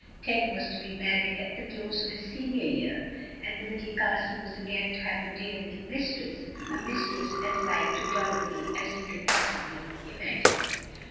Ted was to be married at the close of his senior year, and the Little Castle was again to have a dear little mistress a mistress as like to Dorothy as you can possibly imagine.